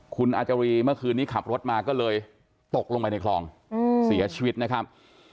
คุณอาจารีเมื่อคืนนี้ขับรถมาก็เลยตกลงไปในคลองเสียชีวิตนะครับ